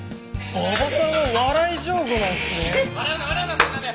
馬場さんは笑い上戸なんすね。